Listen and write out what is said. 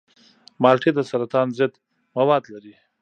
مالټې د سرطان ضد مواد لري.